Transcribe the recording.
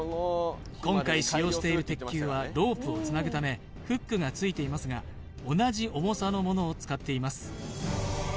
今回使用している鉄球はロープをつなぐためフックがついていますが同じ重さのものを使っています